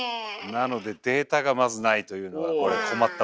なのでデータがまずないというのが困ったことで。